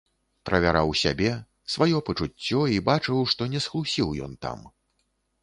Правяраў сябе, сваё пачуццё і бачыў, што не схлусіў ён там.